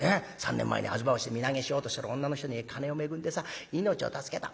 ３年前に吾妻橋で身投げしようとしてる女の人に金を恵んでさ命を助けた。